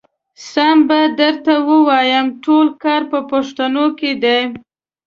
سم به درته ووايم ټول کار په پښتنو کې دی.